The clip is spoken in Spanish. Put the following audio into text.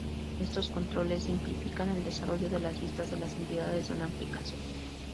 Estos controles simplifican el desarrollo de las vistas de las entidades de una aplicación.